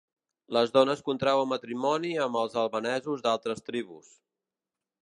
Les dones contrauen matrimoni amb els albanesos d'altres tribus.